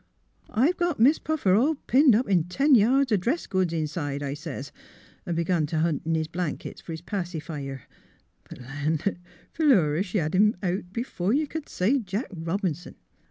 ' I've got Mis' Pnffer all pinned up in ten yards o' dress goods inside,' I sez, an' begun t' hunt in his blankets fer his pacifier. But, land, Philura she had him out before you c'd say Jack Eobinson!